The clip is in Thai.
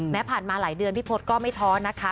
แม้ผ่านมาหลายเดือนพี่พลอดอานนท์ก็ไม่ท้อนนะคะ